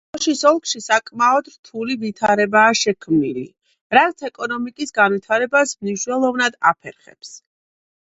ოშის ოლქში საკმაოდ რთული ვითარებაა შექმნილი, რაც ეკონომიკის განვითრებას მნიშვნელოვნად აფერხებს.